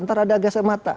nanti ada agak semata